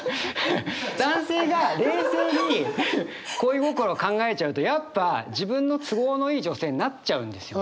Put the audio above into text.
男性が冷静に恋心を考えちゃうとやっぱ自分の都合のいい女性になっちゃうんですよ。